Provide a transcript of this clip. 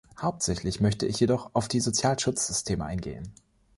Hauptsächlich möchte ich jedoch auf die Sozialschutzsysteme eingehen.